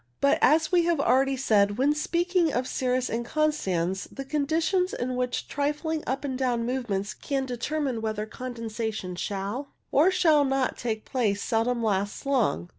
But, as we have already said when speak ing of cirrus inconstans, the condition in which trifling up and down movements can determine whether condensation shall, or shall not, take place seldom lasts long.